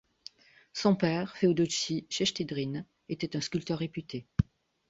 Son père, Féodoci Chtchedrine, était un sculpteur réputé.